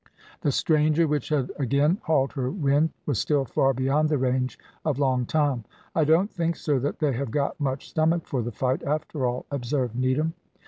The stranger, which had again hauled her wind, was still far beyond the range of Long Tom. "I don't think, sir, that they have got much stomach for the fight, after all," observed Needham.